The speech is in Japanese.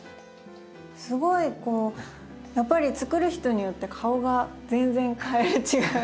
すごいこうやっぱり作る人によって顔が全然かえる違う。